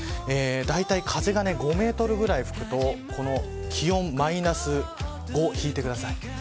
だいたい風が５メートルぐらい吹くと気温マイナス５引いてください。